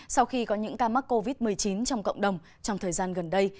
sau khi có những ca mắc covid một mươi chín trong cộng đồng trong thời gian gần đây